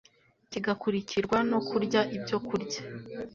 kigakurikirwa no kurya ibyokurya